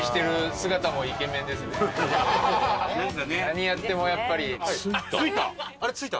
何やってもやっぱり。